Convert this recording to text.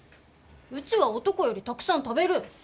うちは男よりたくさん食べる！